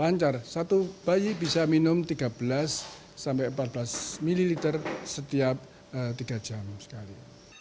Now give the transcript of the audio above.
lancar satu bayi bisa minum tiga belas sampai empat belas ml setiap tiga jam sekali